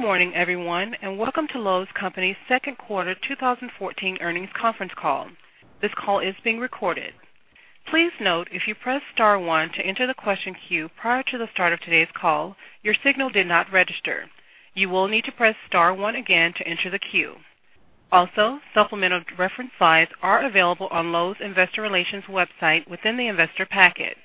Good morning, everyone, and welcome to Lowe's Companies' second quarter 2014 earnings conference call. This call is being recorded. Please note if you press star one to enter the question queue prior to the start of today's call, your signal did not register. You will need to press star one again to enter the queue. Also, supplemental reference slides are available on Lowe's Investor Relations website within the investor packet.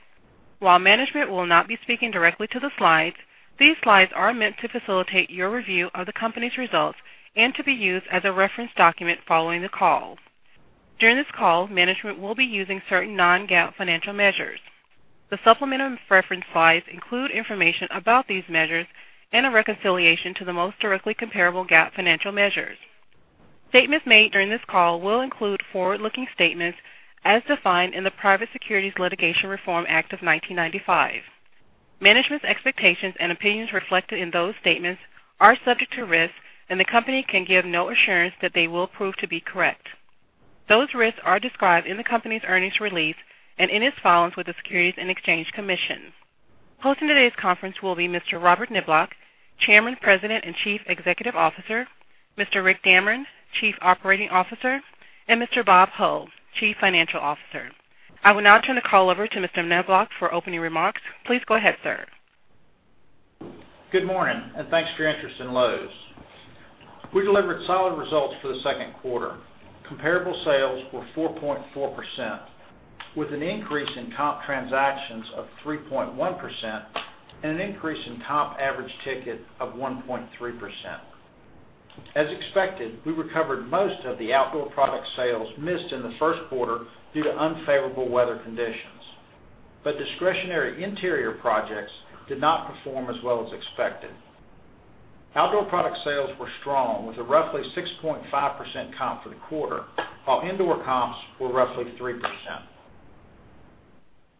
While management will not be speaking directly to the slides, these slides are meant to facilitate your review of the company's results and to be used as a reference document following the call. During this call, management will be using certain non-GAAP financial measures. The supplemental reference slides include information about these measures and a reconciliation to the most directly comparable GAAP financial measures. Statements made during this call will include forward-looking statements as defined in the Private Securities Litigation Reform Act of 1995. Management's expectations and opinions reflected in those statements are subject to risks, the company can give no assurance that they will prove to be correct. Those risks are described in the company's earnings release and in its filings with the Securities and Exchange Commission. Hosting today's conference will be Mr. Robert Niblock, Chairman, President, and Chief Executive Officer, Mr. Rick Damron, Chief Operating Officer, and Mr. Bob Hull, Chief Financial Officer. I will now turn the call over to Mr. Niblock for opening remarks. Please go ahead, sir. Good morning. Thanks for your interest in Lowe's. We delivered solid results for the second quarter. Comparable sales were 4.4%, with an increase in comp transactions of 3.1% and an increase in comp average ticket of 1.3%. As expected, we recovered most of the outdoor product sales missed in the first quarter due to unfavorable weather conditions. Discretionary interior projects did not perform as well as expected. Outdoor product sales were strong, with a roughly 6.5% comp for the quarter, while indoor comps were roughly 3%.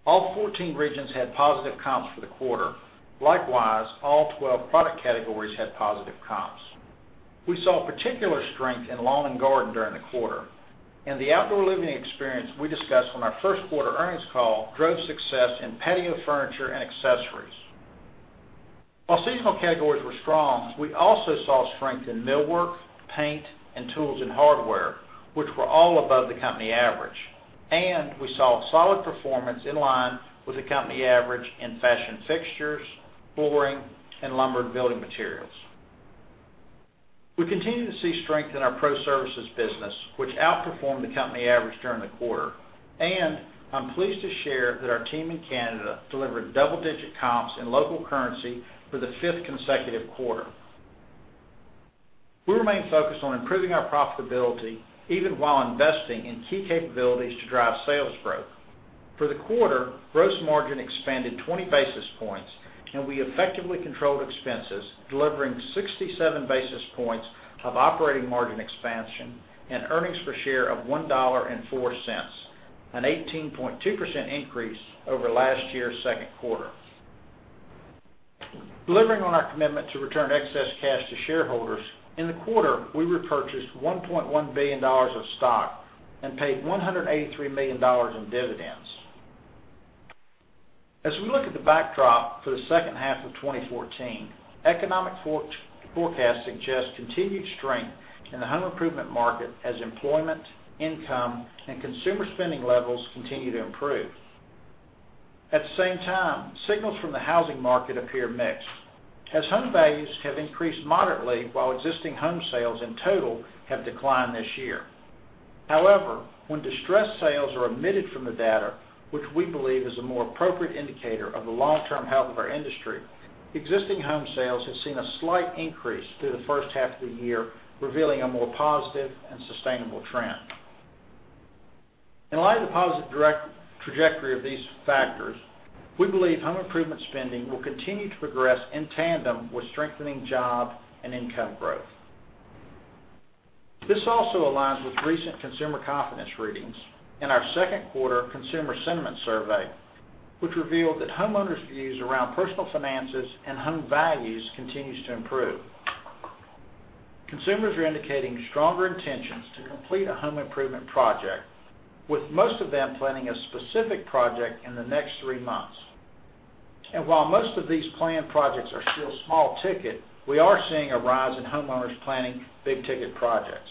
All 14 regions had positive comps for the quarter. Likewise, all 12 product categories had positive comps. We saw particular strength in lawn and garden during the quarter. The outdoor living experience we discussed on our first quarter earnings call drove success in patio furniture and accessories. While seasonal categories were strong, we also saw strength in millwork, paint, and tools and hardware, which were all above the company average. We saw solid performance in line with the company average in fashion fixtures, flooring, and lumber and building materials. We continue to see strength in our pro services business, which outperformed the company average during the quarter. I'm pleased to share that our team in Canada delivered double-digit comps in local currency for the fifth consecutive quarter. We remain focused on improving our profitability, even while investing in key capabilities to drive sales growth. For the quarter, gross margin expanded 20 basis points, we effectively controlled expenses, delivering 67 basis points of operating margin expansion and earnings per share of $1.04, an 18.2% increase over last year's second quarter. Delivering on our commitment to return excess cash to shareholders, in the quarter, we repurchased $1.1 billion of stock and paid $183 million in dividends. As we look at the backdrop for the second half of 2014, economic forecasts suggest continued strength in the home improvement market as employment, income, and consumer spending levels continue to improve. At the same time, signals from the housing market appear mixed, as home values have increased moderately while existing home sales in total have declined this year. However, when distressed sales are omitted from the data, which we believe is a more appropriate indicator of the long-term health of our industry, existing home sales have seen a slight increase through the first half of the year, revealing a more positive and sustainable trend. In light of the positive trajectory of these factors, we believe home improvement spending will continue to progress in tandem with strengthening job and income growth. This also aligns with recent consumer confidence readings and our second quarter Consumer Sentiment Survey, which revealed that homeowners' views around personal finances and home values continues to improve. Consumers are indicating stronger intentions to complete a home improvement project, with most of them planning a specific project in the next three months. While most of these planned projects are still small ticket, we are seeing a rise in homeowners planning big-ticket projects.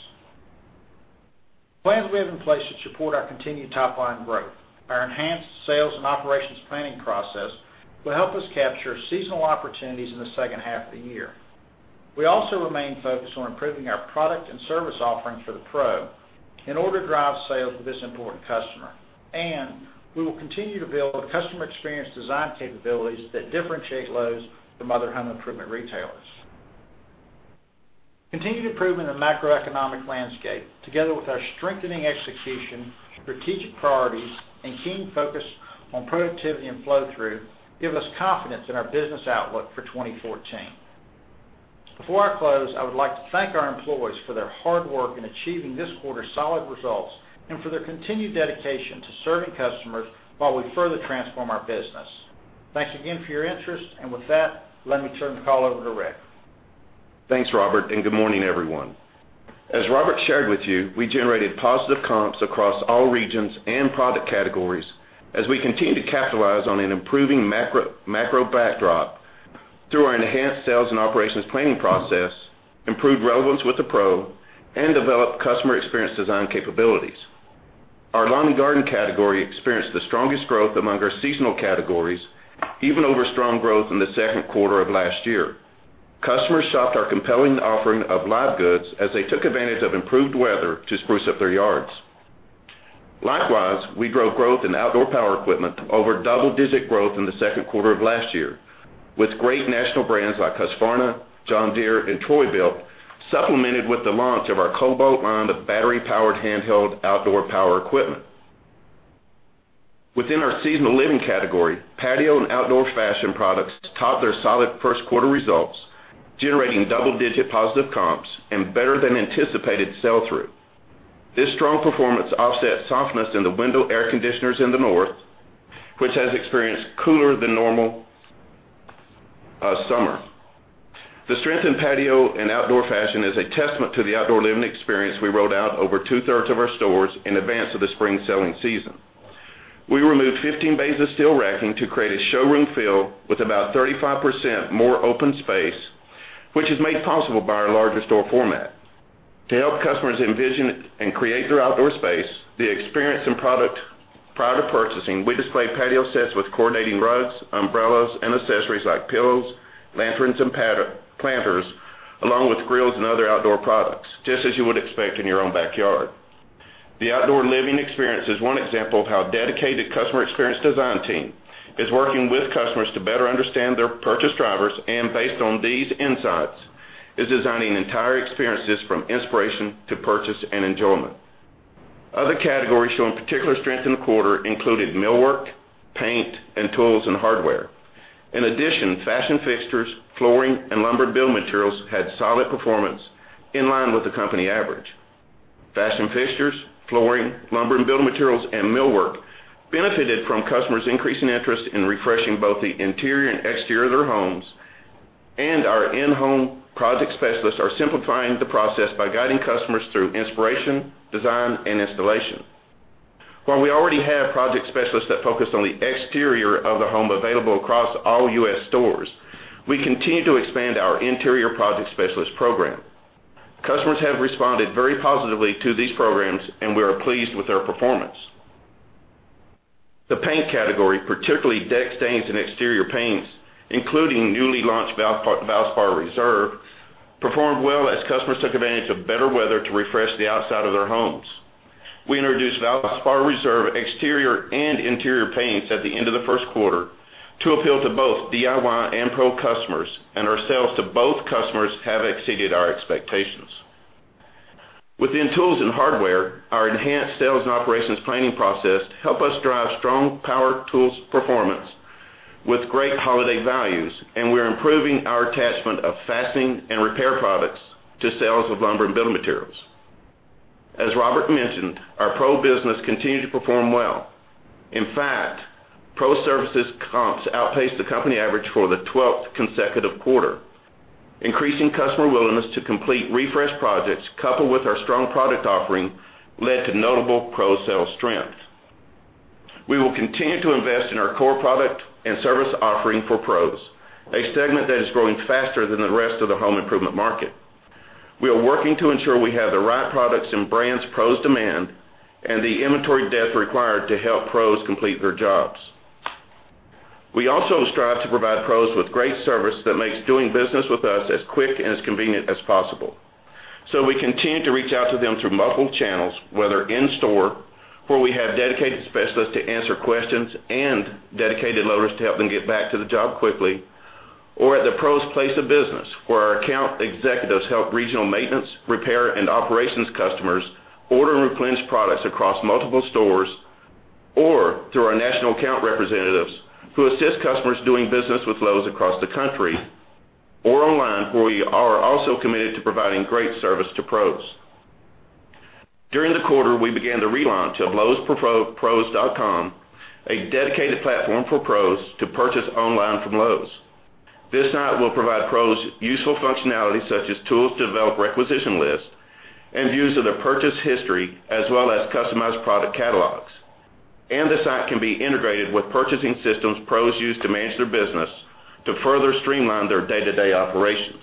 Plans we have in place that support our continued top-line growth. Our enhanced sales and operations planning process will help us capture seasonal opportunities in the second half of the year. We also remain focused on improving our product and service offerings for the pro in order to drive sales for this important customer. We will continue to build customer experience design capabilities that differentiate Lowe's from other home improvement retailers. Continued improvement in the macroeconomic landscape, together with our strengthening execution, strategic priorities, and keen focus on productivity and flow-through give us confidence in our business outlook for 2014. Before I close, I would like to thank our employees for their hard work in achieving this quarter's solid results and for their continued dedication to serving customers while we further transform our business. Thanks again for your interest. With that, let me turn the call over to Rick. Thanks, Robert, good morning, everyone. As Robert shared with you, we generated positive comps across all regions and product categories as we continue to capitalize on an improving macro backdrop through our enhanced sales and operations planning process, improved relevance with the pro, and developed customer experience design capabilities. Our lawn and garden category experienced the strongest growth among our seasonal categories, even over strong growth in the second quarter of last year. Customers shopped our compelling offering of live goods as they took advantage of improved weather to spruce up their yards. Likewise, we drove growth in outdoor power equipment to over double-digit growth in the second quarter of last year, with great national brands like Husqvarna, John Deere, and Troy-Bilt, supplemented with the launch of our Kobalt line of battery-powered handheld outdoor power equipment. Within our seasonal living category, patio and outdoor fashion products topped their solid 1st quarter results, generating double-digit positive comps and better than anticipated sell-through. This strong performance offset softness in the window air conditioners in the North, which has experienced cooler than normal summer. The strength in patio and outdoor fashion is a testament to the outdoor living experience we rolled out over two-thirds of our stores in advance of the spring selling season. We removed 15 bays of steel racking to create a showroom fill with about 35% more open space, which is made possible by our larger store format. To help customers envision and create their outdoor space, the experience and product prior to purchasing, we display patio sets with coordinating rugs, umbrellas, and accessories like pillows, lanterns, and planters, along with grills and other outdoor products, just as you would expect in your own backyard. The outdoor living experience is one example of how a dedicated customer experience design team is working with customers to better understand their purchase drivers, based on these insights, is designing entire experiences from inspiration to purchase and enjoyment. Other categories showing particular strength in the quarter included millwork, paint, and tools and hardware. In addition, fashion fixtures, flooring, and lumber build materials had solid performance in line with the company average. Fashion fixtures, flooring, lumber and build materials, and millwork benefited from customers' increasing interest in refreshing both the interior and exterior of their homes. Our in-home project specialists are simplifying the process by guiding customers through inspiration, design, and installation. While we already have project specialists that focus on the exterior of the home available across all U.S. stores, we continue to expand our interior project specialist program. Customers have responded very positively to these programs, and we are pleased with their performance. The paint category, particularly deck stains and exterior paints, including newly launched Valspar Reserve, performed well as customers took advantage of better weather to refresh the outside of their homes. We introduced Valspar Reserve exterior and interior paints at the end of the 1st quarter to appeal to both DIY and pro customers, our sales to both customers have exceeded our expectations. Within tools and hardware, our enhanced sales and operations planning process help us drive strong power tools performance with great holiday values, we're improving our attachment of fastening and repair products to sales of lumber and building materials. As Robert mentioned, our pro business continued to perform well. In fact, pro services comps outpaced the company average for the 12th consecutive quarter. Increasing customer willingness to complete refresh projects, coupled with our strong product offering, led to notable pro sales strength. We will continue to invest in our core product and service offering for pros, a segment that is growing faster than the rest of the home improvement market. We are working to ensure we have the right products and brands pros demand and the inventory depth required to help pros complete their jobs. We also strive to provide pros with great service that makes doing business with us as quick and as convenient as possible. We continue to reach out to them through multiple channels, whether in-store, where we have dedicated specialists to answer questions and dedicated loaders to help them get back to the job quickly, or at the pros place of business, where our account executives help regional maintenance, repair, and operations customers order and replenish products across multiple stores, or through our national account representatives who assist customers doing business with Lowe's across the country, or online, where we are also committed to providing great service to pros. During the quarter, we began the relaunch of lowesforpros.com, a dedicated platform for pros to purchase online from Lowe's. This site will provide pros useful functionality such as tools to develop requisition lists and views of their purchase history, as well as customized product catalogs. The site can be integrated with purchasing systems pros use to manage their business to further streamline their day-to-day operations.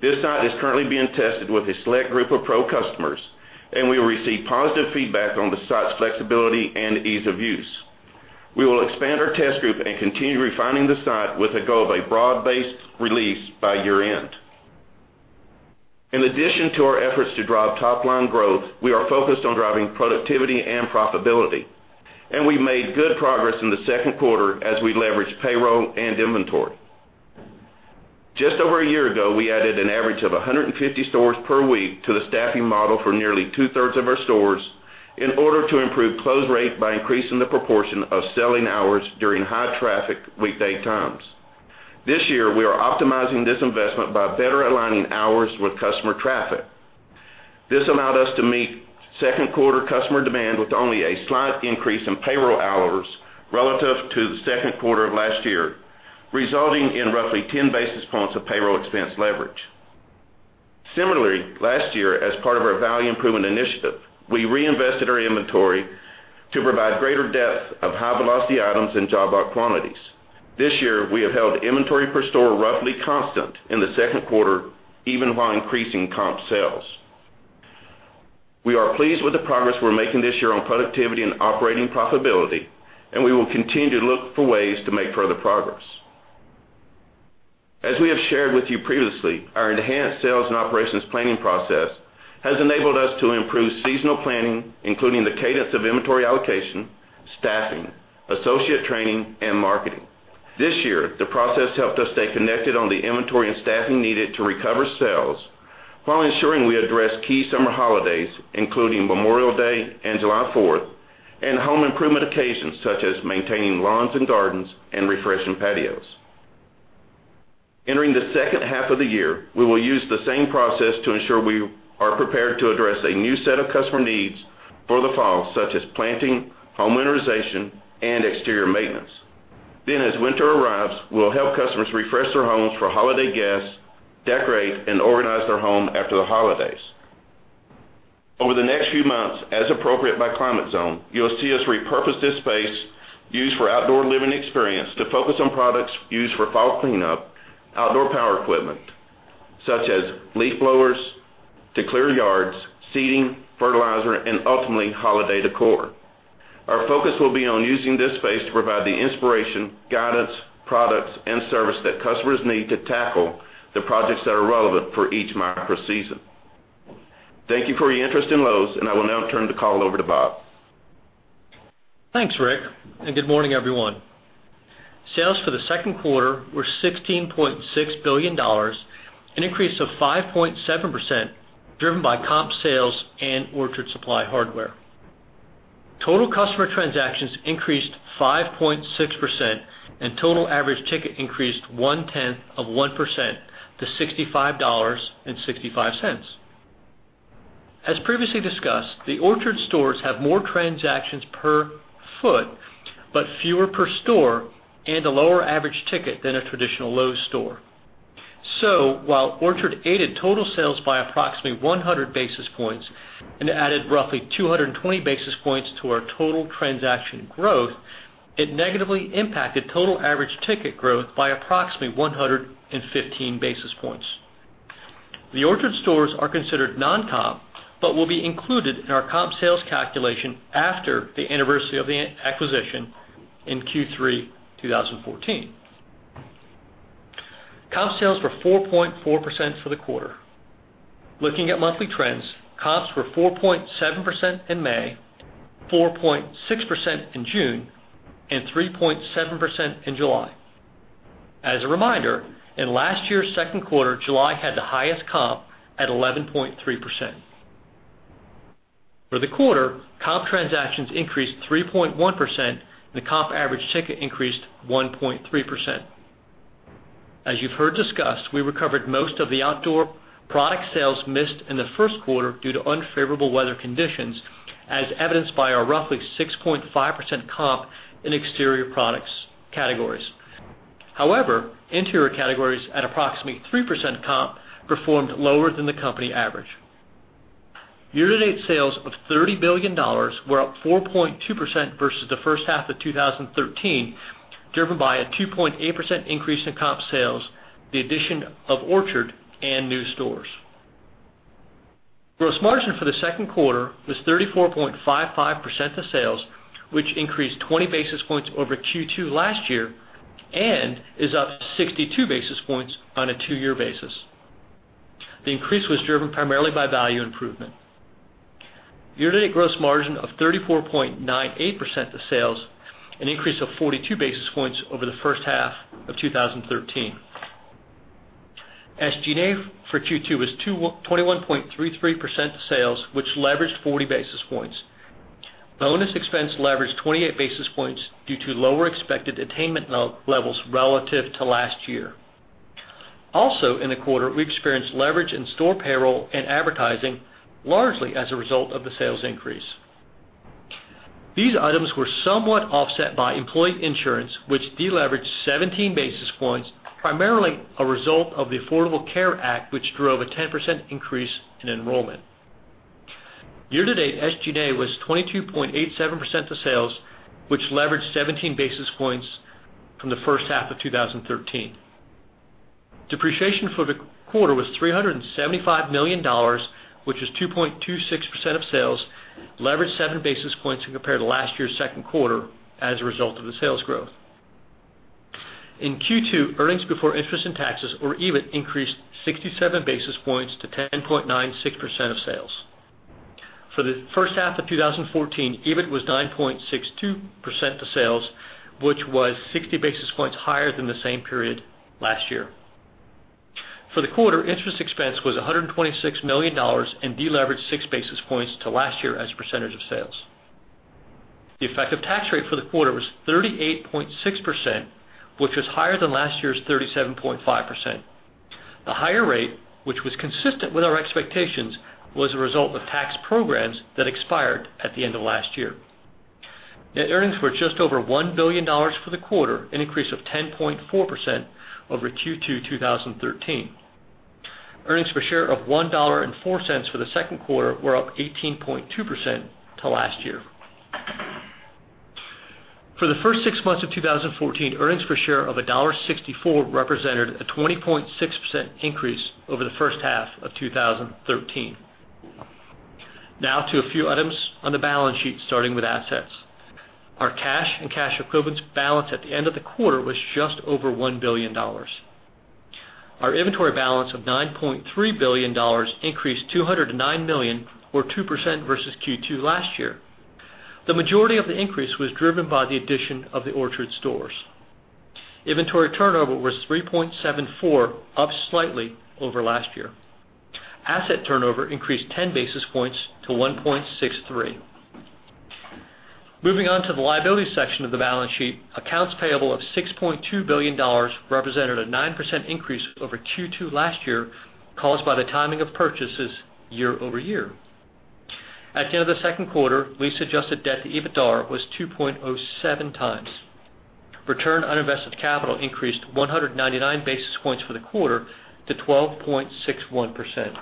This site is currently being tested with a select group of pro customers, and we received positive feedback on the site's flexibility and ease of use. We will expand our test group and continue refining the site with a goal of a broad-based release by year-end. In addition to our efforts to drive top-line growth, we are focused on driving productivity and profitability, and we made good progress in the second quarter as we leveraged payroll and inventory. Just over a year ago, we added an average of 150 stores per week to the staffing model for nearly two-thirds of our stores in order to improve close rate by increasing the proportion of selling hours during high traffic weekday times. This year, we are optimizing this investment by better aligning hours with customer traffic. This allowed us to meet second quarter customer demand with only a slight increase in payroll hours relative to the second quarter of last year. Resulting in roughly 10 basis points of payroll expense leverage. Similarly, last year as part of our Value Improvement initiative, we reinvested our inventory to provide greater depth of high-velocity items in job lot quantities. This year, we have held inventory per store roughly constant in the second quarter, even while increasing comp sales. We are pleased with the progress we're making this year on productivity and operating profitability, and we will continue to look for ways to make further progress. As we have shared with you previously, our enhanced sales and operations planning process has enabled us to improve seasonal planning, including the cadence of inventory allocation, staffing, associate training, and marketing. This year, the process helped us stay connected on the inventory and staffing needed to recover sales while ensuring we address key summer holidays, including Memorial Day and July 4th, and home improvement occasions, such as maintaining lawns and gardens and refreshing patios. Entering the second half of the year, we will use the same process to ensure we are prepared to address a new set of customer needs for the fall, such as planting, home winterization, and exterior maintenance. As winter arrives, we'll help customers refresh their homes for holiday guests, decorate, and organize their home after the holidays. Over the next few months, as appropriate by climate zone, you'll see us repurpose this space used for outdoor living experience to focus on products used for fall cleanup, outdoor power equipment such as leaf blowers to clear yards, seeding, fertilizer, and ultimately holiday decor. Our focus will be on using this space to provide the inspiration, guidance, products, and service that customers need to tackle the projects that are relevant for each micro season. Thank you for your interest in Lowe's, and I will now turn the call over to Bob. Thanks, Rick, and good morning, everyone. Sales for the second quarter were $16.6 billion, an increase of 5.7%, driven by comp sales and Orchard Supply Hardware. Total customer transactions increased 5.6%, and total average ticket increased one-tenth of 1% to $65.65. As previously discussed, the Orchard stores have more transactions per foot but fewer per store and a lower average ticket than a traditional Lowe's store. While Orchard aided total sales by approximately 100 basis points and added roughly 220 basis points to our total transaction growth, it negatively impacted total average ticket growth by approximately 115 basis points. The Orchard stores are considered non-comp, but will be included in our comp sales calculation after the anniversary of the acquisition in Q3 2014. Comp sales were 4.4% for the quarter. Looking at monthly trends, comps were 4.7% in May, 4.6% in June, and 3.7% in July. As a reminder, in last year's second quarter, July had the highest comp at 11.3%. For the quarter, comp transactions increased 3.1%, and the comp average ticket increased 1.3%. As you've heard discussed, we recovered most of the outdoor product sales missed in the first quarter due to unfavorable weather conditions, as evidenced by our roughly 6.5% comp in exterior products categories. However, interior categories at approximately 3% comp performed lower than the company average. Year-to-date sales of $30 billion were up 4.2% versus the first half of 2013, driven by a 2.8% increase in comp sales, the addition of Orchard, and new stores. Gross margin for the second quarter was 34.55% of sales, which increased 20 basis points over Q2 last year and is up 62 basis points on a two-year basis. The increase was driven primarily by value improvement. Year-to-date gross margin of 34.98% of sales, an increase of 42 basis points over the first half of 2013. SG&A for Q2 was 21.33% of sales, which leveraged 40 basis points. Bonus expense leveraged 28 basis points due to lower expected attainment levels relative to last year. Also in the quarter, we experienced leverage in store payroll and advertising, largely as a result of the sales increase. These items were somewhat offset by employee insurance, which deleveraged 17 basis points, primarily a result of the Affordable Care Act, which drove a 10% increase in enrollment. Year-to-date SG&A was 22.87% of sales, which leveraged 17 basis points from the first half of 2013. Depreciation for the quarter was $375 million, which is 2.26% of sales, leveraged seven basis points when compared to last year's second quarter as a result of the sales growth. In Q2, earnings before interest and taxes, or EBIT, increased 67 basis points to 10.96% of sales. For the first half of 2014, EBIT was 9.62% of sales, which was 60 basis points higher than the same period last year. For the quarter, interest expense was $126 million and deleveraged six basis points to last year as a percentage of sales. The effective tax rate for the quarter was 38.6%, which was higher than last year's 37.5%. The higher rate, which was consistent with our expectations, was a result of tax programs that expired at the end of last year. Net earnings were just over $1 billion for the quarter, an increase of 10.4% over Q2 2013. Earnings per share of $1.04 for the second quarter were up 18.2% to last year. For the first six months of 2014, earnings per share of $1.64 represented a 20.6% increase over the first half of 2013. Now to a few items on the balance sheet, starting with assets. Our cash and cash equivalents balance at the end of the quarter was just over $1 billion. Our inventory balance of $9.3 billion increased $209 million, or 2%, versus Q2 last year. The majority of the increase was driven by the addition of the Orchard stores. Inventory turnover was 3.74, up slightly over last year. Asset turnover increased 10 basis points to 1.63. Moving on to the liability section of the balance sheet, accounts payable of $6.2 billion represented a 9% increase over Q2 last year, caused by the timing of purchases year-over-year. At the end of the second quarter, lease-adjusted debt to EBITDA was 2.07 times. Return on invested capital increased 199 basis points for the quarter to 12.61%.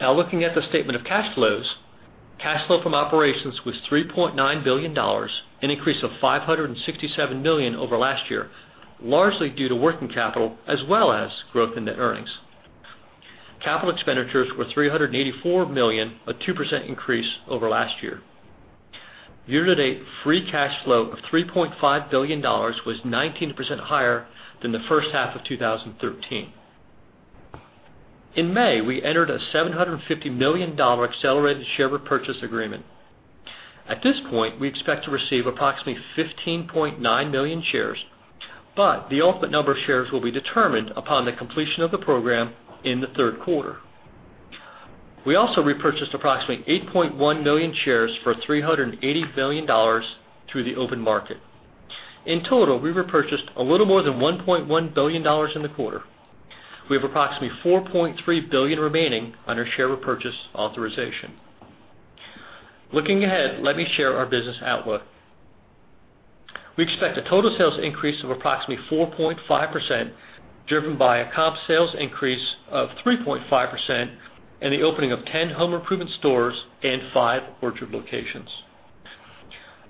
Now looking at the statement of cash flows. Cash flow from operations was $3.9 billion, an increase of $567 million over last year, largely due to working capital as well as growth in net earnings. Capital expenditures were $384 million, a 2% increase over last year. Year-to-date free cash flow of $3.5 billion was 19% higher than the first half of 2013. In May, we entered a $750 million accelerated share repurchase agreement. At this point, we expect to receive approximately 15.9 million shares, but the ultimate number of shares will be determined upon the completion of the program in the third quarter. We also repurchased approximately 8.1 million shares for $380 million through the open market. In total, we repurchased a little more than $1.1 billion in the quarter. We have approximately $4.3 billion remaining on our share repurchase authorization. Looking ahead, let me share our business outlook. We expect a total sales increase of approximately 4.5%, driven by a comp sales increase of 3.5% and the opening of 10 home improvement stores and five Orchard locations.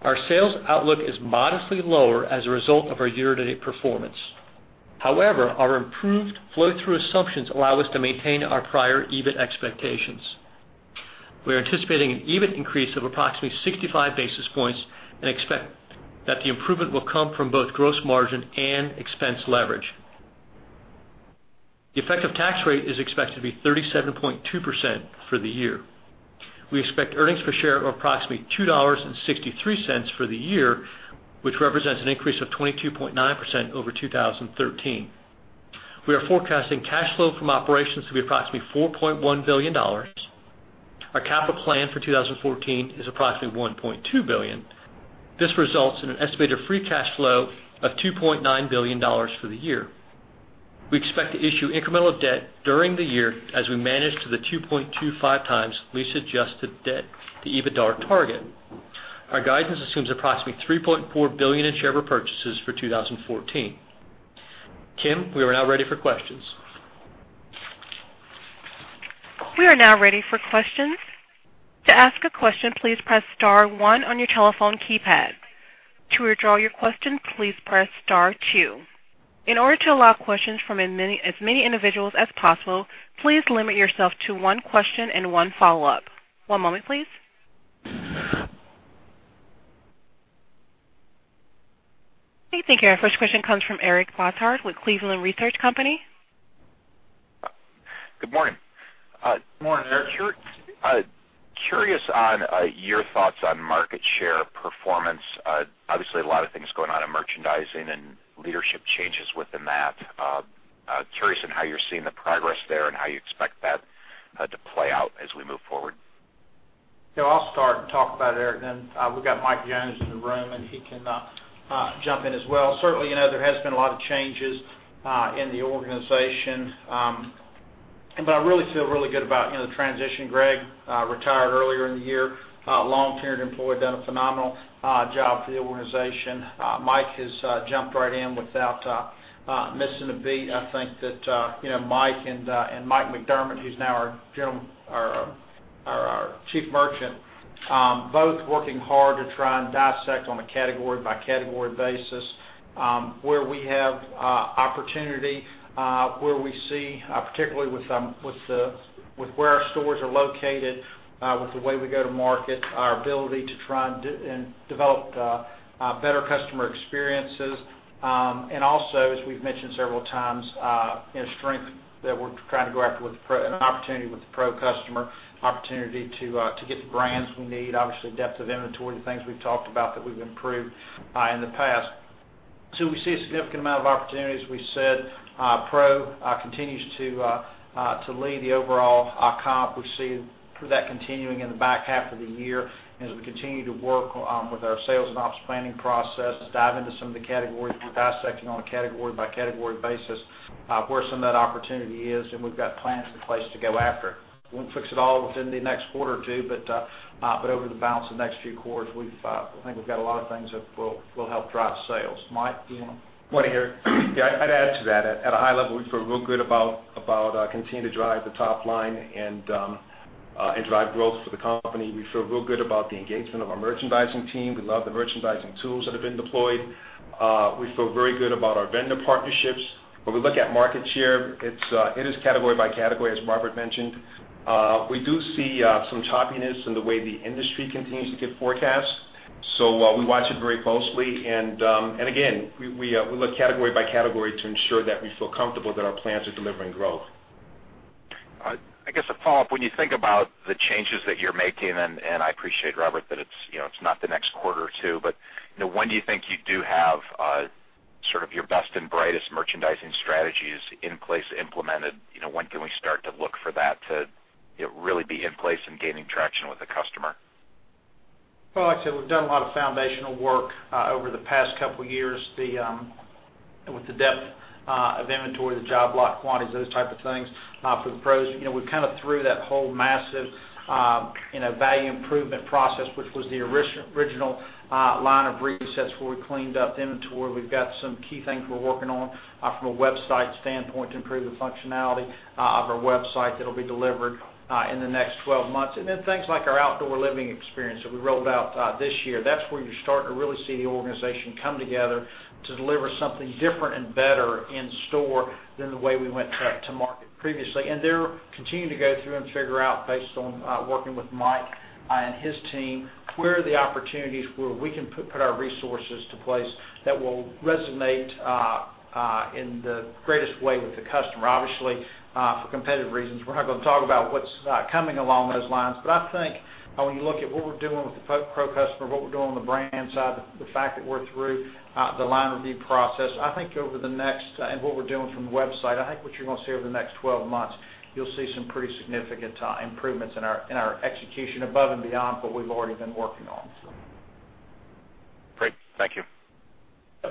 Our sales outlook is modestly lower as a result of our year-to-date performance. However, our improved flow-through assumptions allow us to maintain our prior EBIT expectations. We are anticipating an EBIT increase of approximately 65 basis points and expect that the improvement will come from both gross margin and expense leverage. The effective tax rate is expected to be 37.2% for the year. We expect earnings per share of approximately $2.63 for the year, which represents an increase of 22.9% over 2013. We are forecasting cash flow from operations to be approximately $4.1 billion. Our capital plan for 2014 is approximately $1.2 billion. This results in an estimated free cash flow of $2.9 billion for the year. We expect to issue incremental debt during the year as we manage to the 2.25 times lease adjusted debt to EBITDA target. Our guidance assumes approximately $3.4 billion in share repurchases for 2014. Kim, we are now ready for questions. We are now ready for questions. To ask a question, please press star one on your telephone keypad. To withdraw your question, please press star two. In order to allow questions from as many individuals as possible, please limit yourself to one question and one follow-up. One moment, please. Okay, thank you. Our first question comes from Eric Bosshard with Cleveland Research Company. Good morning. Morning, Eric. Curious on your thoughts on market share performance. Obviously, a lot of things going on in merchandising and leadership changes within that. Curious on how you're seeing the progress there and how you expect that to play out as we move forward. Yeah, I'll start and talk about it, Eric, then we've got Mike Jones in the room, and he can jump in as well. Certainly, there has been a lot of changes in the organization. I really feel really good about the transition. Greg retired earlier in the year. Long-tenured employee, done a phenomenal job for the organization. Mike has jumped right in without missing a beat. I think that Mike and Mike McDermott, who's now our Chief Merchant, both working hard to try and dissect on a category-by-category basis where we have opportunity, where we see, particularly with where our stores are located, with the way we go to market, our ability to try and develop better customer experiences. Also, as we've mentioned several times, strength that we're trying to go after with an opportunity with the pro customer, opportunity to get the brands we need. Depth of inventory, the things we've talked about that we've improved in the past. We see a significant amount of opportunities. We said Pro continues to lead the overall comp. We see that continuing in the back half of the year as we continue to work with our sales and ops planning process, dive into some of the categories. We're dissecting on a category-by-category basis where some of that opportunity is, and we've got plans in place to go after it. We won't fix it all within the next quarter or two, but over the balance of the next few quarters, we think we've got a lot of things that will help drive sales. Mike, do you want to? Good morning, Eric. Yeah, I'd add to that. At a high level, we feel real good about continuing to drive the top line and drive growth for the company. We feel real good about the engagement of our merchandising team. We love the merchandising tools that have been deployed. We feel very good about our vendor partnerships. When we look at market share, it is category-by-category, as Robert mentioned. We watch it very closely and, again, we look category-by-category to ensure that we feel comfortable that our plans are delivering growth. I guess a follow-up, when you think about the changes that you're making, and I appreciate, Robert, that it's not the next quarter or two, but when do you think you do have sort of your best and brightest merchandising strategies in place, implemented? When can we start to look for that to really be in place and gaining traction with the customer? Well, like I said, we've done a lot of foundational work over the past couple of years with the depth of inventory, the job lot quantities, those type of things for the Pros. We kind of threw that whole massive Value Improvement Process, which was the original line of resets where we cleaned up inventory. We've got some key things we're working on from a website standpoint to improve the functionality of our website that'll be delivered in the next 12 months. Then things like our outdoor living experience that we rolled out this year. That's where you're starting to really see the organization come together to deliver something different and better in-store than the way we went to market previously. They're continuing to go through and figure out, based on working with Mike and his team, where are the opportunities where we can put our resources to place that will resonate in the greatest way with the customer. Obviously, for competitive reasons, we're not going to talk about what's coming along those lines. I think when you look at what we're doing with the Pro customer, what we're doing on the brand side, the fact that we're through the line review process, and what we're doing from the website, I think what you're going to see over the next 12 months, you'll see some pretty significant improvements in our execution above and beyond what we've already been working on. Great. Thank you.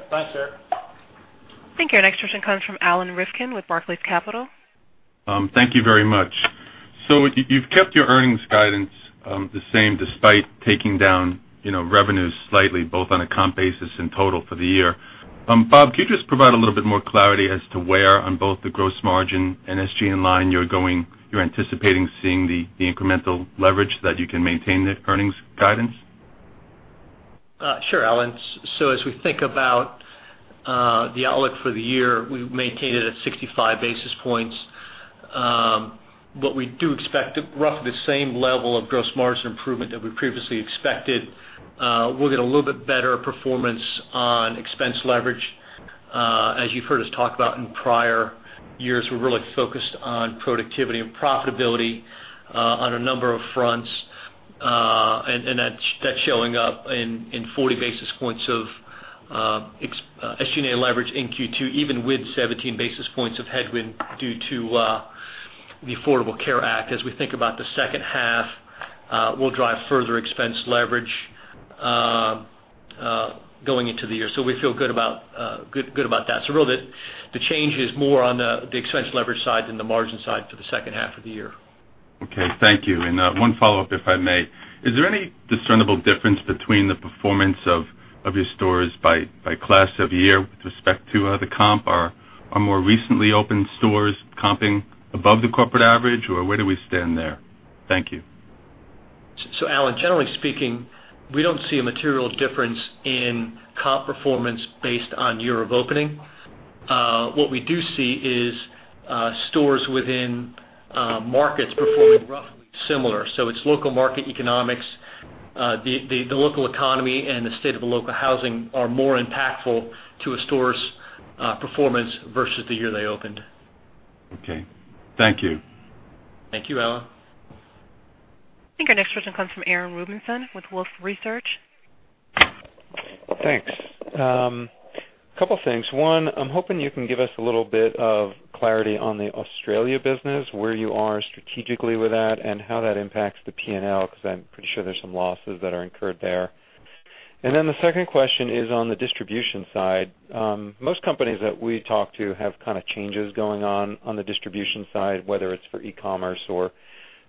Thanks, Eric. Thank you. Our next question comes from Alan Rifkin with Barclays Capital. Thank you very much. You've kept your earnings guidance the same despite taking down revenues slightly, both on a comp basis and total for the year. Bob, could you just provide a little bit more clarity as to where on both the gross margin and SG&A line you're anticipating seeing the incremental leverage that you can maintain the earnings guidance? Sure, Alan. As we think about the outlook for the year, we've maintained it at 65 basis points. We do expect roughly the same level of gross margin improvement that we previously expected. We'll get a little bit better performance on expense leverage. As you've heard us talk about in prior years, we're really focused on productivity and profitability on a number of fronts. That's showing up in 40 basis points of SG&A leverage in Q2, even with 17 basis points of headwind due to the Affordable Care Act. As we think about the second half, we'll drive further expense leverage going into the year. Really, the change is more on the expense leverage side than the margin side for the second half of the year. Okay. Thank you. One follow-up, if I may. Is there any discernible difference between the performance of your stores by class of year with respect to the comp? Are more recently opened stores comping above the corporate average, or where do we stand there? Thank you. Alan, generally speaking, we don't see a material difference in comp performance based on year of opening. What we do see is stores within markets performing roughly similar. It's local market economics. The local economy and the state of the local housing are more impactful to a store's performance versus the year they opened. Okay. Thank you. Thank you, Alan. I think our next question comes from Aram Rubinson with Wolfe Research. Thanks. Couple of things. One, I'm hoping you can give us a little bit of clarity on the Australia business, where you are strategically with that and how that impacts the P&L, because I'm pretty sure there's some losses that are incurred there. The second question is on the distribution side. Most companies that we talk to have kind of changes going on the distribution side, whether it's for e-commerce or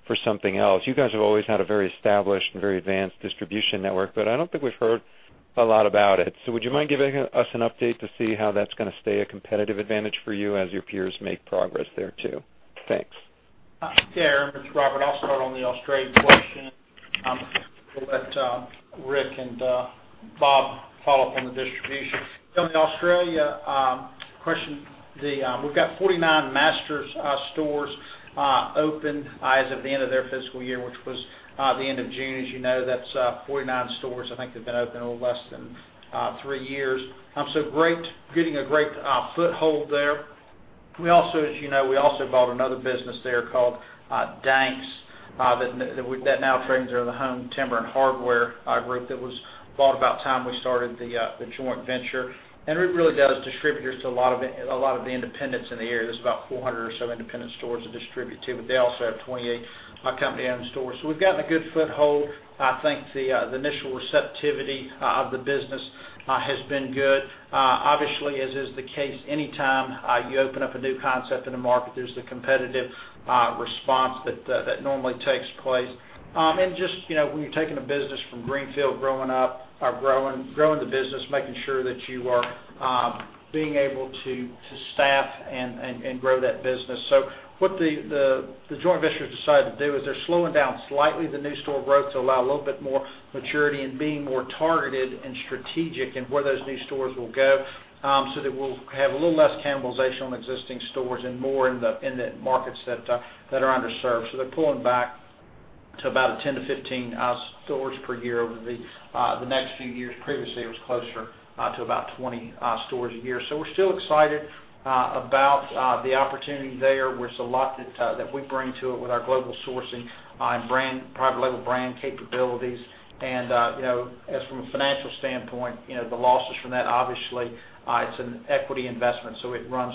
for something else. You guys have always had a very established and very advanced distribution network, but I don't think we've heard a lot about it. Would you mind giving us an update to see how that's going to stay a competitive advantage for you as your peers make progress there, too? Thanks. Yeah, Aram, it's Robert. I'll start on the Australian question. I'll let Rick and Bob follow up on the distribution. On the Australia question, we've got 49 Masters stores open as of the end of their fiscal year, which was the end of June. As you know, that's 49 stores, I think they've been open a little less than three years. Getting a great foothold there. As you know, we also bought another business there called Danks, that now trades under the Home Timber and Hardware group that was bought about the time we started the joint venture. It really does distributors to a lot of the independents in the area. There's about 400 or so independent stores to distribute to, but they also have 28 company-owned stores. We've gotten a good foothold. I think the initial receptivity of the business has been good. Obviously, as is the case, anytime you open up a new concept in a market, there's the competitive response that normally takes place. When you're taking a business from greenfield growing up, growing the business, making sure that you are being able to staff and grow that business. What the joint ventures decided to do is they're slowing down slightly the new store growth to allow a little bit more maturity and being more targeted and strategic in where those new stores will go, so that we'll have a little less cannibalization on existing stores and more in the markets that are underserved. They're pulling back to about a 10-15 stores per year over the next few years. Previously, it was closer to about 20 stores a year. We're still excited about the opportunity there. There's a lot that we bring to it with our global sourcing and private label brand capabilities. As from a financial standpoint, the losses from that, obviously, it's an equity investment, so it runs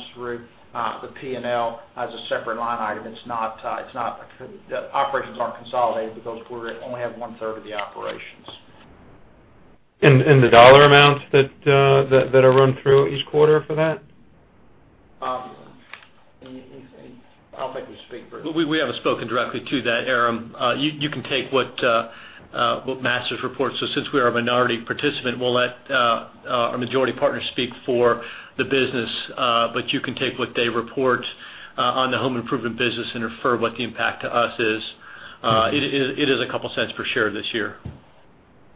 through the P&L as a separate line item. The operations aren't consolidated because we only have one-third of the operations. The dollar amounts that are run through each quarter for that? I don't think we speak for- We haven't spoken directly to that, Aram. You can take what Masters reports. Since we are a minority participant, we'll let our majority partner speak for the business. You can take what they report on the home improvement business and infer what the impact to us is. It is a couple of cents per share this year.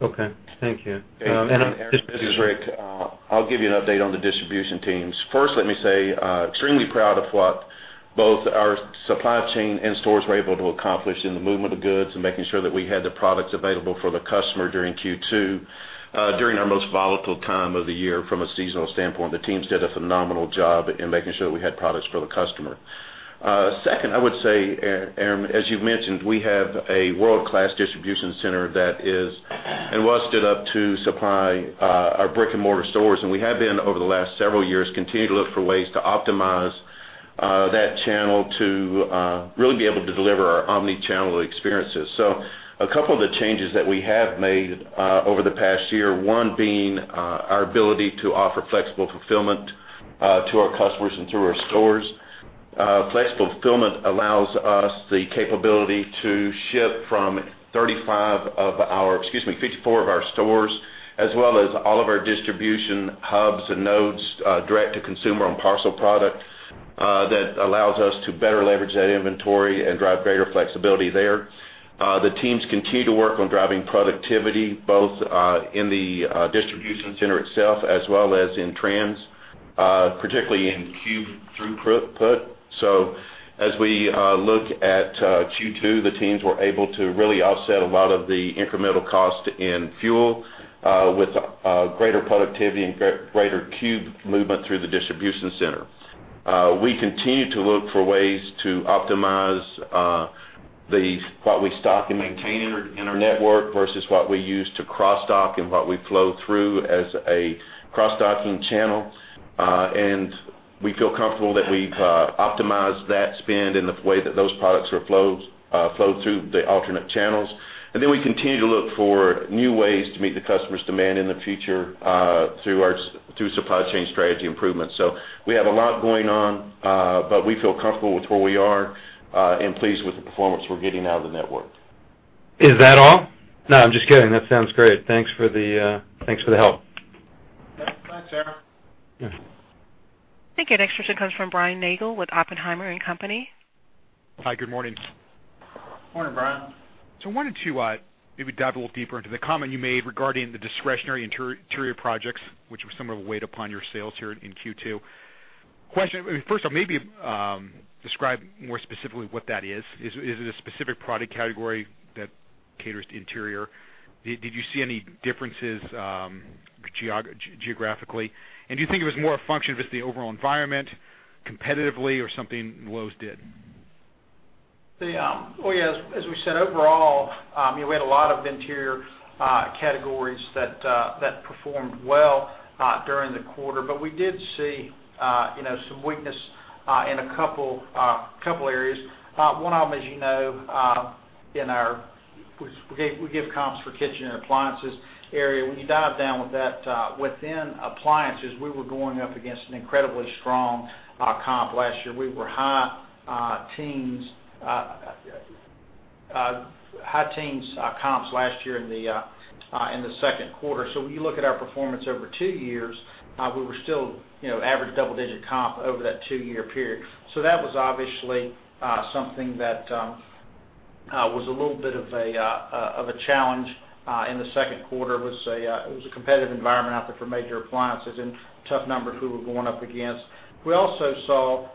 Okay. Thank you. Aram, this is Rick. I'll give you an update on the distribution teams. First, let me say, extremely proud of what both our supply chain and stores were able to accomplish in the movement of goods and making sure that we had the products available for the customer during Q2, during our most volatile time of the year from a seasonal standpoint. The teams did a phenomenal job in making sure that we had products for the customer. Second, I would say, Aram, as you've mentioned, we have a world-class distribution center that is and was stood up to supply our brick-and-mortar stores. We have been, over the last several years, continue to look for ways to optimize that channel to really be able to deliver our omni-channel experiences. A couple of the changes that we have made over the past year, one being our ability to offer flexible fulfillment to our customers and through our stores. Flexible fulfillment allows us the capability to ship from 54 of our stores, as well as all of our distribution hubs and nodes direct to consumer on parcel product that allows us to better leverage that inventory and drive greater flexibility there. The teams continue to work on driving productivity, both in the distribution center itself as well as in trans, particularly in cube throughput. As we look at Q2, the teams were able to really offset a lot of the incremental cost in fuel with greater productivity and greater cube movement through the distribution center. We continue to look for ways to optimize what we stock and maintain in our network versus what we use to cross-dock and what we flow through as a cross-docking channel. We feel comfortable that we've optimized that spend in the way that those products flow through the alternate channels. We continue to look for new ways to meet the customer's demand in the future through supply chain strategy improvements. We have a lot going on, but we feel comfortable with where we are and pleased with the performance we're getting out of the network. Is that all? No, I'm just kidding. That sounds great. Thanks for the help. Yeah. Bye, Aram. Thank you. Next question comes from Brian Nagel with Oppenheimer & Co. Hi, good morning. Morning, Brian. I wanted to maybe dive a little deeper into the comment you made regarding the discretionary interior projects, which was somewhat of a weight upon your sales here in Q2. Question, first off, maybe describe more specifically what that is. Is it a specific product category that caters to interior? Did you see any differences geographically? Do you think it was more a function of just the overall environment competitively or something Lowe's did? As we said, overall we had a lot of interior categories that performed well during the quarter. We did see some weakness in a couple areas. One of them, as you know, we give comps for kitchen and appliances area. When you dive down within appliances, we were going up against an incredibly strong comp last year. We were high teens comps last year in the second quarter. When you look at our performance over two years, we were still average double-digit comp over that two-year period. That was obviously something that was a little bit of a challenge in the second quarter. It was a competitive environment out there for major appliances and tough numbers we were going up against. We also saw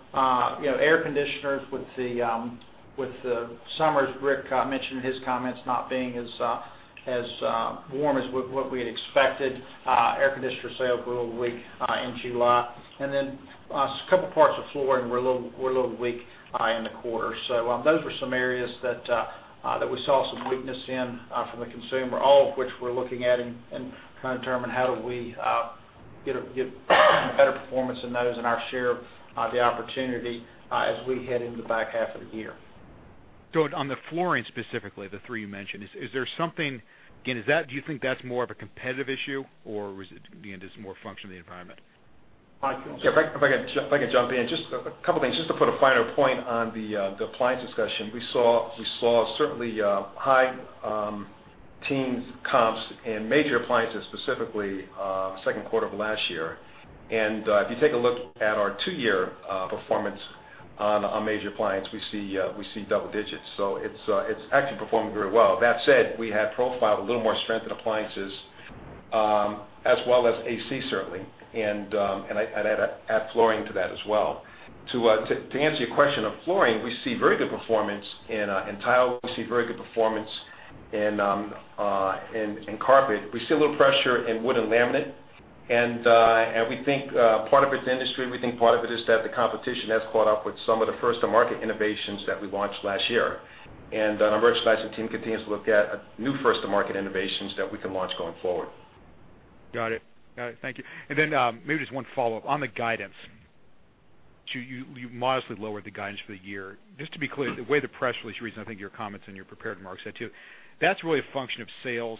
air conditioners with the summers, Rick mentioned in his comments, not being as warm as what we had expected. Air conditioner sales were a little weak in July. A couple parts of flooring were a little weak in the quarter. Those were some areas that we saw some weakness in from the consumer, all of which we're looking at and trying to determine how do we get better performance in those and our share of the opportunity as we head into the back half of the year. On the flooring specifically, the three you mentioned, is there something, again, do you think that's more of a competitive issue or was it more a function of the environment? Mike. Yeah, if I can jump in. Just a couple of things. Just to put a finer point on the appliance discussion. We saw certainly high teens comps in major appliances, specifically, second quarter of last year. If you take a look at our two-year performance on major appliance, we see double digits. It's actually performing very well. That said, we have profiled a little more strength in appliances as well as AC, certainly, and I'd add flooring to that as well. To answer your question on flooring, we see very good performance in tile. We see very good performance in carpet. We see a little pressure in wood and laminate, and we think part of it is industry. We think part of it is that the competition has caught up with some of the first-to-market innovations that we launched last year. Our merchandising team continues to look at new first-to-market innovations that we can launch going forward. Got it. Thank you. Then maybe just one follow-up. On the guidance, you modestly lowered the guidance for the year. Just to be clear, the way the press release reads, and I think your comments and your prepared remarks said, too, that's really a function of sales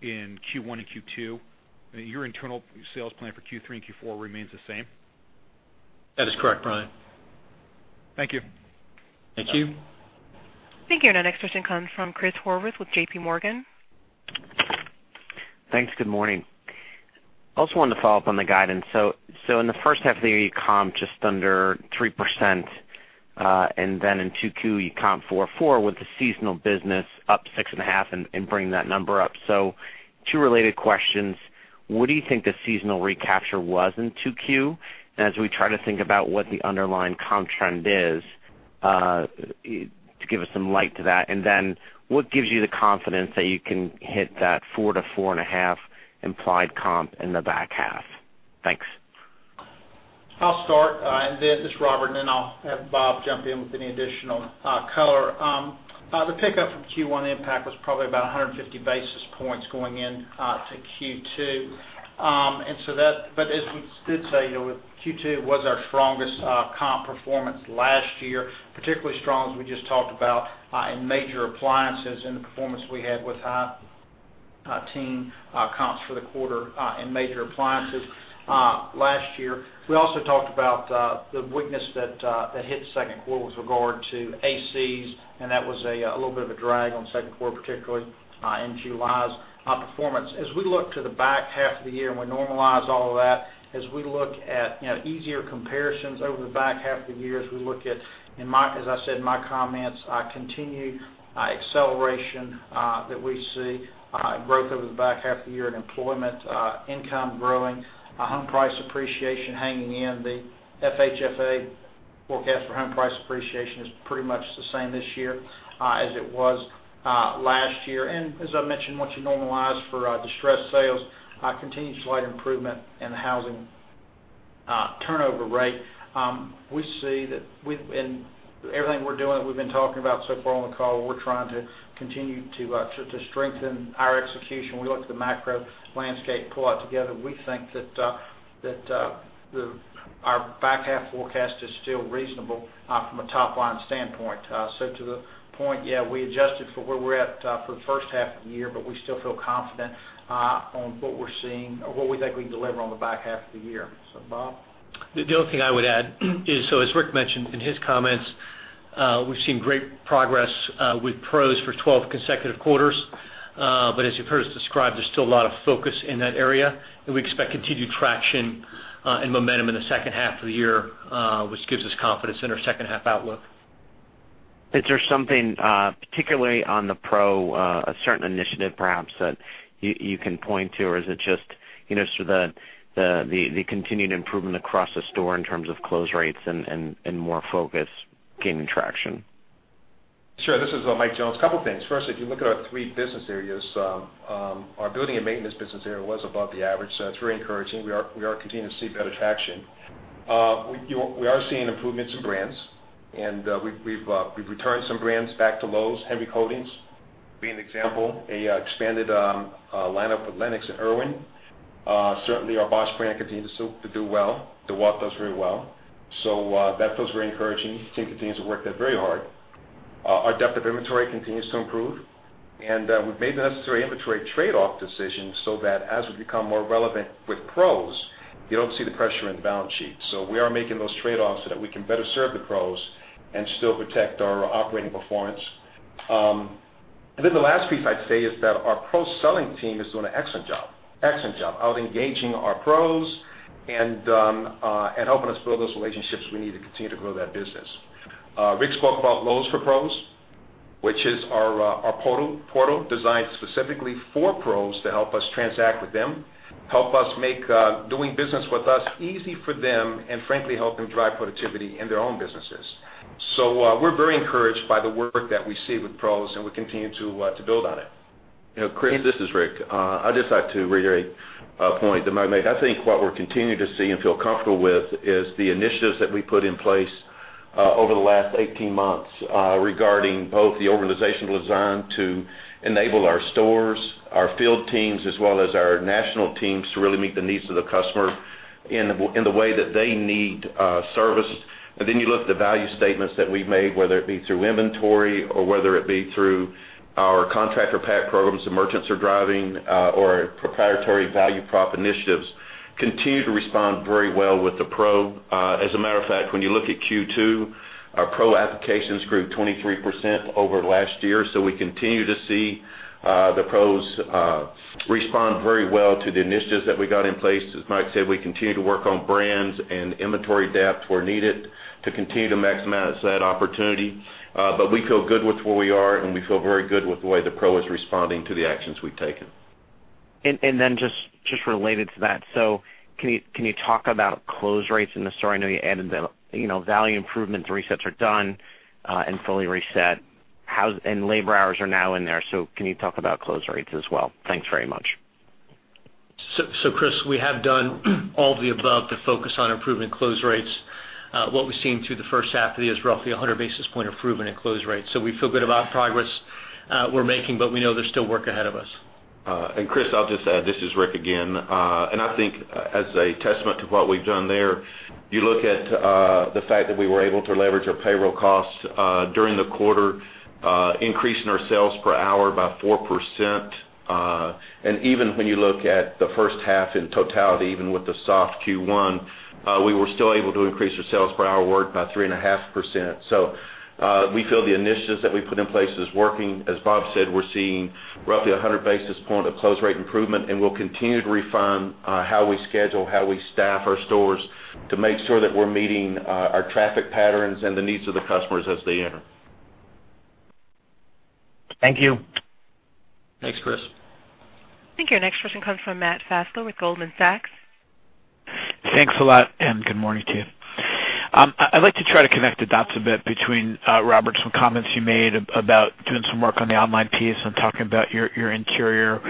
in Q1 and Q2. Your internal sales plan for Q3 and Q4 remains the same? That is correct, Brian. Thank you. Thank you. Thank you. Our next question comes from Christopher Horvers with JPMorgan. Thanks. Good morning. Also wanted to follow up on the guidance. In the first half of the year, you comped just under 3%, in Q2, you comped 4.4% with the seasonal business up 6.5% and bringing that number up. Two related questions. What do you think the seasonal recapture was in 2Q, and as we try to think about what the underlying comp trend is, to give us some light to that? What gives you the confidence that you can hit that 4%-4.5% implied comp in the back half? Thanks. I'll start. This is Robert. Then I'll have Bob jump in with any additional color. The pickup from Q1 impact was probably about 150 basis points going in to Q2. As we did say, Q2 was our strongest comp performance last year, particularly strong as we just talked about in major appliances and the performance we had with high-teen comps for the quarter in major appliances last year. We also talked about the weakness that hit second quarter with regard to ACs, that was a little bit of a drag on second quarter, particularly in July's performance. As we look to the back half of the year, we normalize all of that, as we look at easier comparisons over the back half of the year, as we look at, as I said in my comments, continued acceleration that we see growth over the back half of the year in employment, income growing, home price appreciation hanging in. The FHFA forecast for home price appreciation is pretty much the same this year as it was last year. As I mentioned, once you normalize for distressed sales, continued slight improvement in the housing turnover rate. We see that in everything we're doing, we've been talking about so far on the call, we're trying to continue to strengthen our execution. We look at the macro landscape pull out together. We think that our back half forecast is still reasonable from a top-line standpoint. To the point, yeah, we adjusted for where we're at for the first half of the year, we still feel confident on what we're seeing or what we think we can deliver on the back half of the year. Bob? The only thing I would add is, as Rick mentioned in his comments, we've seen great progress with pros for 12 consecutive quarters. As you've heard us describe, there's still a lot of focus in that area, and we expect continued traction and momentum in the second half of the year, which gives us confidence in our second half outlook. Is there something, particularly on the pro, a certain initiative perhaps that you can point to? Is it just the continued improvement across the store in terms of close rates and more focus gaining traction? Sure. This is Mike Jones. A couple things. First, if you look at our three business areas, our building and maintenance business area was above the average. That's very encouraging. We are continuing to see better traction. We are seeing improvements in brands and we've returned some brands back to Lowe's. Henry Coatings being an example. A expanded lineup with LENOX and IRWIN. Certainly, our Bosch brand continues to do well. DEWALT does very well. That feels very encouraging. Team continues to work there very hard. Our depth of inventory continues to improve and we've made the necessary inventory trade-off decisions so that as we become more relevant with pros, you don't see the pressure in the balance sheet. We are making those trade-offs so that we can better serve the pros and still protect our operating performance. The last piece I'd say is that our pro selling team is doing an excellent job. Excellent job out engaging our pros and helping us build those relationships we need to continue to grow that business. Rick spoke about Lowe's for Pros, which is our portal designed specifically for pros to help us transact with them, help us make doing business with us easy for them, and frankly, help them drive productivity in their own businesses. We're very encouraged by the work that we see with pros and we continue to build on it. Chris, this is Rick. I'd just like to reiterate a point that Mike made. I think what we're continuing to see and feel comfortable with is the initiatives that we put in place Over the last 18 months regarding both the organizational design to enable our stores, our field teams, as well as our national teams to really meet the needs of the customer in the way that they need service. You look at the value statements that we've made, whether it be through inventory or whether it be through our contractor pack programs the merchants are driving or proprietary value prop initiatives, continue to respond very well with the pro. As a matter of fact, when you look at Q2, our pro applications grew 23% over last year. We continue to see the pros respond very well to the initiatives that we got in place. As Mike said, we continue to work on brands and inventory depth where needed to continue to maximize that opportunity. We feel good with where we are, and we feel very good with the way the pro is responding to the actions we've taken. Just related to that. Can you talk about close rates in the store? I know you added the value improvements resets are done and fully reset. Labor hours are now in there. Can you talk about close rates as well? Thanks very much. Chris, we have done all of the above to focus on improving close rates. What we've seen through the first half of the year is roughly 100 basis points improvement in close rates. We feel good about progress we're making, but we know there's still work ahead of us. Chris, I'll just add, this is Rick again. I think as a testament to what we've done there, you look at the fact that we were able to leverage our payroll costs during the quarter, increasing our sales per hour by 4%. Even when you look at the first half in totality, even with the soft Q1, we were still able to increase our sales per hour worked by 3.5%. We feel the initiatives that we put in place is working. As Bob said, we're seeing roughly 100 basis points of close rate improvement, and we'll continue to refine how we schedule, how we staff our stores to make sure that we're meeting our traffic patterns and the needs of the customers as they enter. Thank you. Thanks, Chris. I think your next question comes from Matthew Fassler with Goldman Sachs. Thanks a lot. Good morning to you. I'd like to try to connect the dots a bit between Robert, some comments you made about doing some work on the online piece and talking about your interior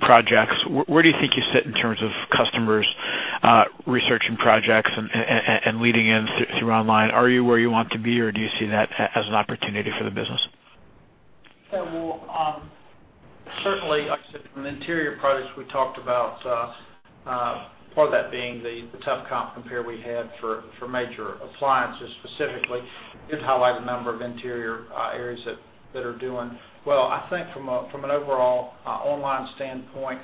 projects. Where do you think you sit in terms of customers researching projects and leading in through online? Are you where you want to be, or do you see that as an opportunity for the business? Well, certainly, like I said, from an interior projects we talked about, part of that being the tough comp compare we had for major appliances specifically, did highlight a number of interior areas that are doing well. I think from an overall online standpoint,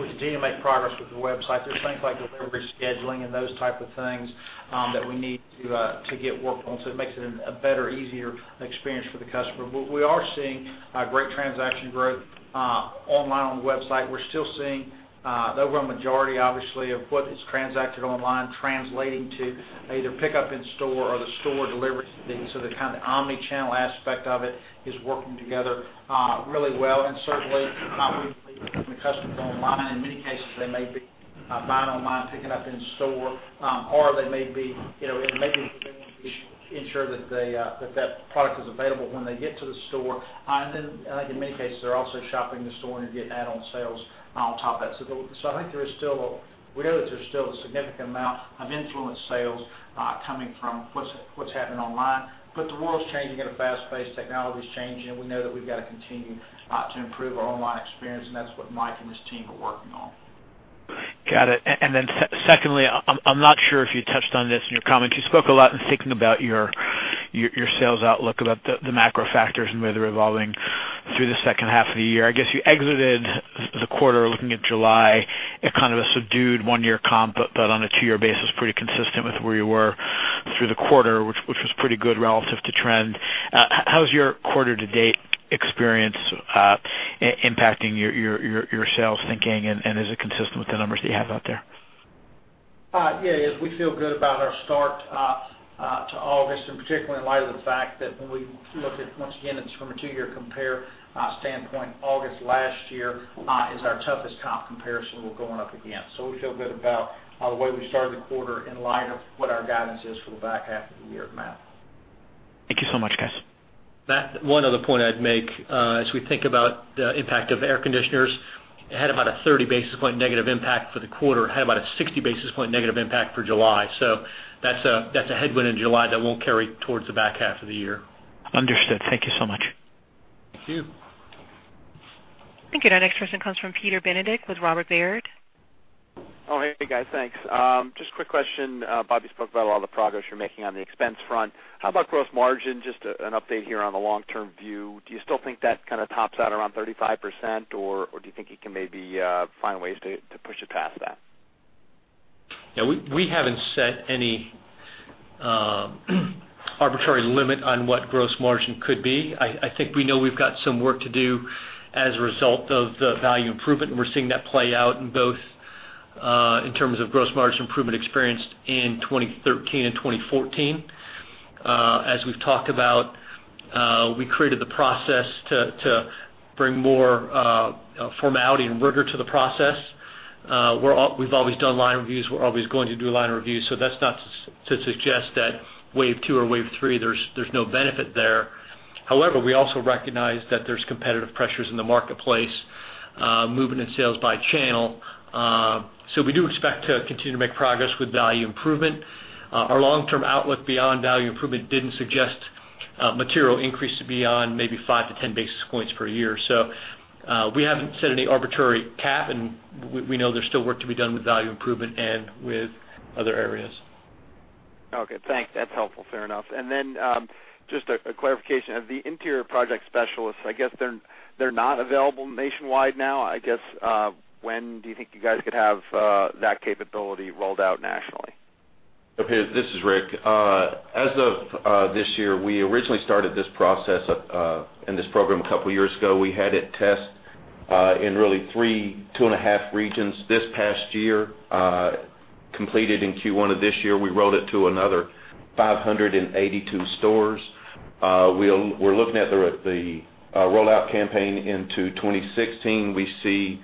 we continue to make progress with the website. There's things like delivery scheduling and those type of things that we need to get worked on so it makes it a better, easier experience for the customer. We are seeing great transaction growth online on the website. We're still seeing the overall majority, obviously, of what is transacted online translating to either pick up in store or the store delivery. The kind of omnichannel aspect of it is working together really well. Certainly when customers are online, in many cases, they may be buying online, picking up in store or they may be ensure that that product is available when they get to the store. Then I think in many cases, they're also shopping the store and getting add-on sales on top of that. I think we know that there's still a significant amount of influence sales coming from what's happening online. The world's changing at a fast pace. Technology's changing, and we know that we've got to continue to improve our online experience, and that's what Mike and his team are working on. Got it. Then secondly, I'm not sure if you touched on this in your comments. You spoke a lot in thinking about your sales outlook, about the macro factors and the way they're evolving through the second half of the year. I guess you exited the quarter looking at July at kind of a subdued one-year comp, but on a two-year basis, pretty consistent with where you were through the quarter, which was pretty good relative to trend. How's your quarter to date experience impacting your sales thinking, and is it consistent with the numbers that you have out there? Yeah. We feel good about our start to August, particularly in light of the fact that when we look at, once again, it's from a two-year compare standpoint, August last year is our toughest comp comparison we're going up against. We feel good about the way we started the quarter in light of what our guidance is for the back half of the year, Matt. Thank you so much, guys. Matt, one other point I'd make. As we think about the impact of air conditioners, it had about a 30 basis point negative impact for the quarter. It had about a 60 basis point negative impact for July. That's a headwind in July that won't carry towards the back half of the year. Understood. Thank you so much. Thank you. Thank you. Our next question comes from Peter Benedict with Robert W. Baird. Hey guys, thanks. Just a quick question. Bob, you spoke about all the progress you're making on the expense front. How about gross margin? Just an update here on the long-term view. Do you still think that kind of tops out around 35% or do you think you can maybe find ways to push it past that? We haven't set any arbitrary limit on what gross margin could be. I think we know we've got some work to do as a result of the value improvement, and we're seeing that play out in both in terms of gross margin improvement experienced in 2013 and 2014. As we've talked about, we created the process to bring more formality and rigor to the process. We've always done line reviews. We're always going to do line reviews. That's not to suggest that wave 2 or wave 3, there's no benefit there. However, we also recognize that there's competitive pressures in the marketplace, movement in sales by channel. We do expect to continue to make progress with value improvement. Our long-term outlook beyond value improvement didn't suggest material increase beyond maybe five to 10 basis points per year. We haven't set any arbitrary cap, and we know there's still work to be done with value improvement and with other areas. Okay, thanks. That's helpful. Fair enough. Just a clarification. The interior project specialists, I guess they're not available nationwide now. When do you think you guys could have that capability rolled out nationally? Okay, this is Rick. As of this year, we originally started this process and this program a couple of years ago. We had it test in really three two-and-a-half regions this past year, completed in Q1 of this year. We rolled it to another 582 stores. We're looking at the rollout campaign into 2016. We see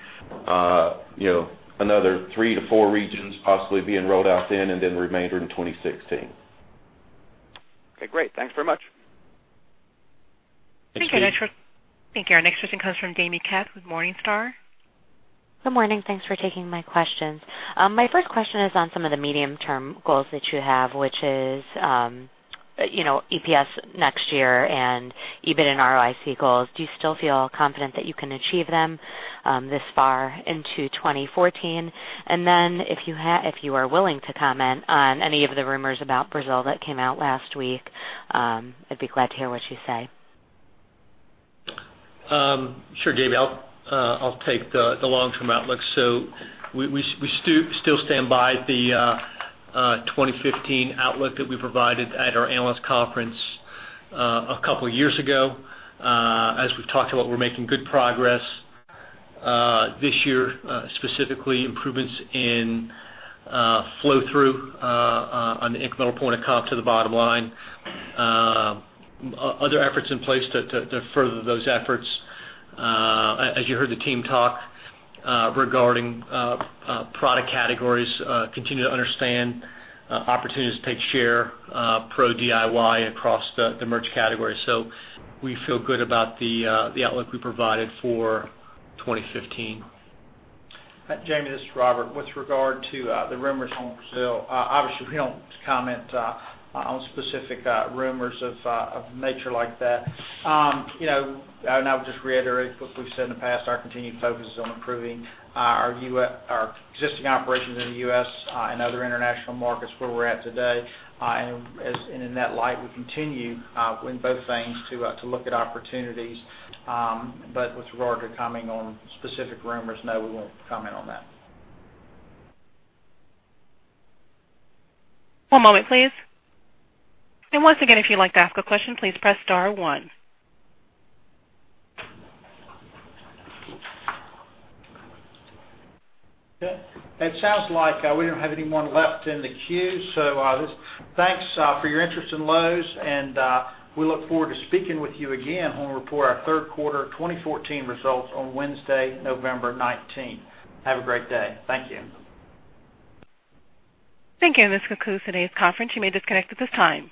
another three to four regions possibly being rolled out then, and then the remainder in 2016. Okay, great. Thanks very much. Thank you. Our next question comes from Jaime Katz with Morningstar. Good morning. Thanks for taking my questions. My first question is on some of the medium-term goals that you have, which is EPS next year and EBIT and ROIC goals. Do you still feel confident that you can achieve them this far into 2014? If you are willing to comment on any of the rumors about Brazil that came out last week, I'd be glad to hear what you say. Sure, Jaime. I'll take the long-term outlook. We still stand by the 2015 outlook that we provided at our analyst conference a couple of years ago. As we've talked about, we're making good progress. This year, specifically, improvements in flow-through on the incremental point of comp to the bottom line. Other efforts in place to further those efforts. As you heard the team talk regarding product categories, continue to understand opportunities to take share pro DIY across the merch category. We feel good about the outlook we provided for 2015. Jaime, this is Robert. With regard to the rumors on Brazil, obviously, we don't comment on specific rumors of a nature like that. I would just reiterate what we've said in the past. Our continued focus is on improving our existing operations in the U.S. and other international markets where we're at today. In that light, we continue in both veins to look at opportunities. With regard to commenting on specific rumors, no, we won't comment on that. One moment, please. Once again, if you'd like to ask a question, please press star one. Okay. It sounds like we don't have anyone left in the queue. Just thanks for your interest in Lowe's, we look forward to speaking with you again when we report our third quarter 2014 results on Wednesday, November 19th. Have a great day. Thank you. Thank you. This concludes today's conference. You may disconnect at this time.